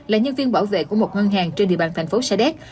là nhân viên bảo vệ của một ngân hàng trên địa bàn thành phố sa đéc